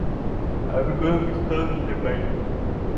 আমি কোনও পিস্তল খুঁজে পাইনি!